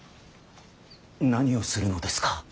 何をするのですか。